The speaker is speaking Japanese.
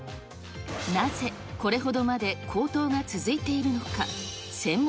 なぜこれほどまで高騰が続いているのか。